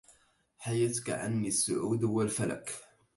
حيتك عني السعود والفلك